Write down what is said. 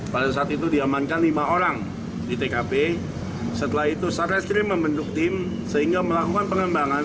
pada saat itu diamankan lima orang di tkp setelah itu sarreskrim membentuk tim sehingga melakukan pengembangan